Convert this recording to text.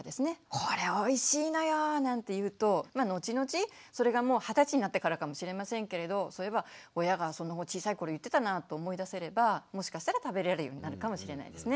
「これおいしいのよ！」なんて言うと後々それがもう二十歳になってからかもしれませんけれど「そういえば親が小さい頃言ってたな」と思い出せればもしかしたら食べれるようになるかもしれないですね。